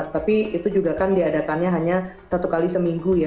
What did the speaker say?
tapi itu juga kan diadakannya hanya satu kali seminggu ya